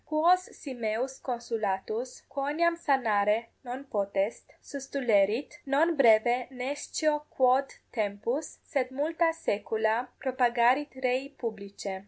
Quos si meus consulatus, quoniam sanare non potest, sustulerit, non breve nescio quod tempus, sed multa saecula propagarit rei publicae.